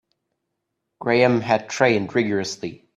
Graham had trained rigourously.